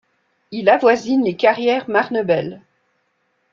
Il avoisine les carrières Marnebel.